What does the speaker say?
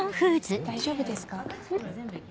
大丈夫ですか？